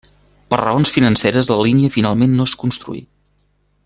Per raons financeres la línia finalment no es construí.